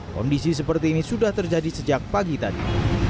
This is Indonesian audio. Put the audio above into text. kondisi seperti ini sudah terjadi sejak pagi tadi